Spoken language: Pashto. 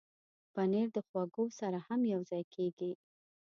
پنېر د خواږو سره هم یوځای کېږي.